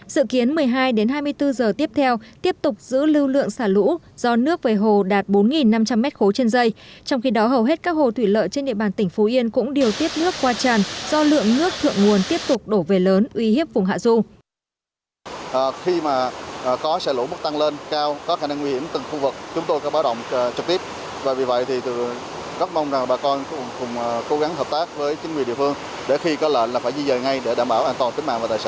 dự kiến một mươi hai hai mươi bốn h tiếp theo tiếp tục giữ lưu lượng xả lũ do nước về hồ đạt bốn năm trăm linh m ba trên dây trong khi đó hầu hết các hồ thủy lợi trên địa bàn tỉnh phú yên cũng điều tiết nước qua tràn do lượng nước thượng nguồn tiếp tục đổ về lớn uy hiếp vùng hạ du